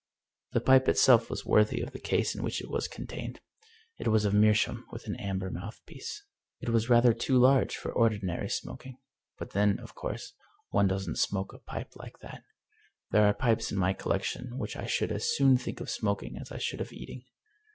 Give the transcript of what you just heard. The pipe Itself was worthy of the case in which it was contained. It was of meerschaum, with an amber mouthpiece. It was rathep too large for ordinary smoking. But then, of course, one doesn't smoke a pipe like that. There are pipes in my collection which I should as soon think of smoking as I should of eating.